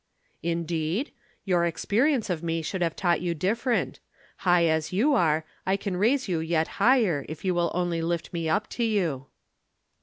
"Indeed? Your experience of me should have taught you different. High as you are, I can raise you yet higher if you will only lift me up to you."